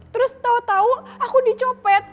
terus tau tau aku dicopet